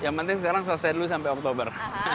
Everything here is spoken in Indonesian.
yang penting sekarang selesai dulu sampai oktober